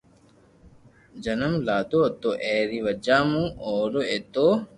جنم لآدو ھتو اي ري وجھ مون اوري ايتو